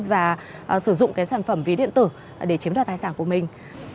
và sử dụng cái sản phẩm ví điện tử để chiếm đoạt tài sản của mình